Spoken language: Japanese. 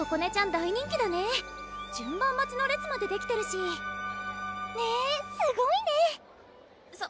大人気だね順番待ちの列までできてるしねぇすごいねそ